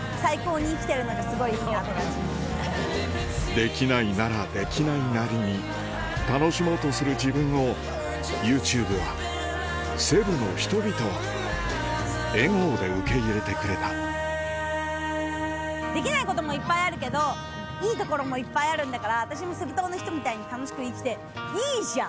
できないならできないなりに楽しもうとする自分をＹｏｕＴｕｂｅはセブの人々は笑顔で受け入れてくれたできないこともいっぱいあるけどいいところもいっぱいあるんだから私もセブ島の人みたいに楽しく生きていいじゃん！